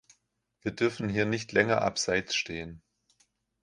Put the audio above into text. Wird dürfen hier nicht länger abseits stehen.